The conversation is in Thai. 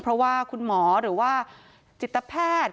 เพราะว่าคุณหมอหรือว่าจิตแพทย์